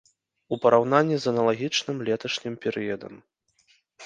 У параўнанні з аналагічным леташнім перыядам.